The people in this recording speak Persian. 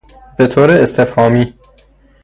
بطور استفهامی